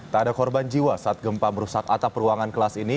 tak ada korban jiwa saat gempa merusak atap ruangan kelas ini